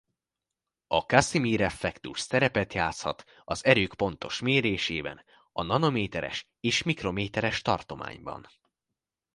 A Casimir-effektus szerepet játszhat az erők pontos mérésében a nanométeres és mikrométeres tartományban.